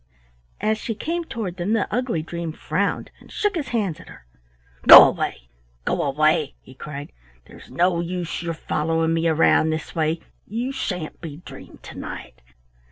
As she came toward them the ugly dream frowned and shook his hands at her. "Go away! Go away!" he cried. "There's no use your following me around this way. You sha'n't be dreamed to night."